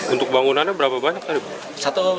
untuk bangunannya berapa banyak tadi